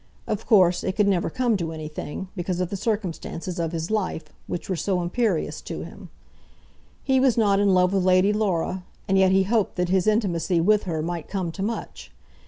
Of course, it could never come to anything, because of the circumstances of his life, which were so imperious to him. He was not in love with Lady Laura, and yet he hoped that his intimacy with her might come to much.